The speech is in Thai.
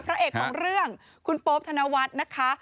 พระเอกของเรื่องคุณโป๊ปธนวัฒน์นะคะ